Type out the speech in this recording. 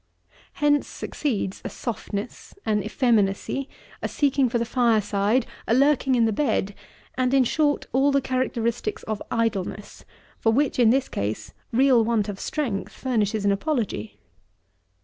Hence succeeds a softness, an effeminacy, a seeking for the fire side, a lurking in the bed, and, in short, all the characteristics of idleness, for which, in this case, real want of strength furnishes an apology.